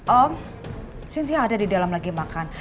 om sensi ada di dalam lagi makan